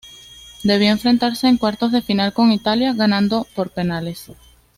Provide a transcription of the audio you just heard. Debió enfrentarse en cuartos de final con Italia, ganando por penales.